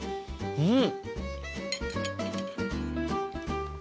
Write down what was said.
うん。